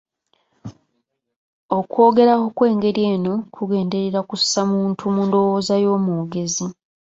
Okwogera okw'engeri eno kugenderera kussa muntu mu ndowooza y'omwogezi .